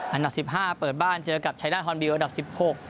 อันดับ๑๕เปิดบ้านเจอกับชัยหน้าฮอนบิลอันดับ๑๖